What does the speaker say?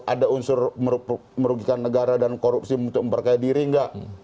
ada unsur merugikan negara dan korupsi untuk memperkaya diri nggak